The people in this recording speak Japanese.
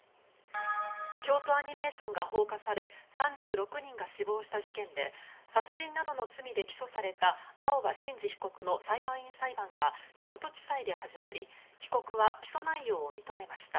京都アニメーションが放火され３６人が死亡した事件で殺人などの罪で起訴された青葉真司被告の裁判員裁判が京都地裁で始まり被告は起訴内容を認めました。